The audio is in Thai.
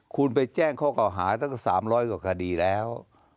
คุณไปแจ้งเขาก็หาตั้งแต่๓๐๐กว่าคดีแล้ว